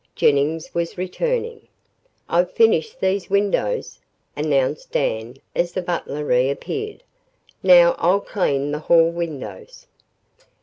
Jennings was returning. "I've finished these windows," announced Dan as the butler reappeared. "Now, I'll clean the hall windows."